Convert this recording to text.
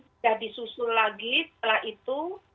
sudah disusul lagi setelah itu